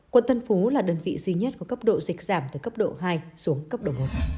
quận tân phú là đơn vị duy nhất có cấp độ dịch giảm từ cấp độ hai xuống cấp độ một